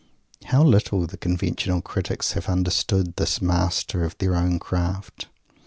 How little the conventional critics have understood this master of their own craft!